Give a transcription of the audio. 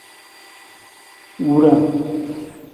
Wurang.